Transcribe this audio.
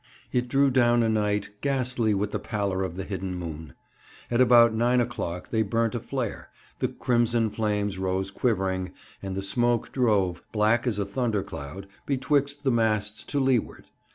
It drew down a night ghastly with the pallor of the hidden moon. At about nine o'clock they burnt a flare; the crimson flames rose quivering, and the smoke drove, black as a thunder cloud, betwixt the masts to leeward.